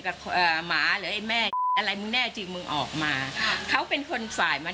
มันโดนเขาตายไปแล้วแต่เขายิงลงคืนถูกไม่ให้เขาเข้ามา